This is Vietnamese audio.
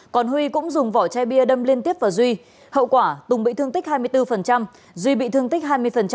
còn huy cũng dùng vỏ chai bia đâm liên tiếp vào duy hậu quả tùng bị thương tích hai mươi bốn duy bị thương tích hai mươi